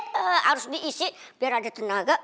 harus diisi biar ada tenaga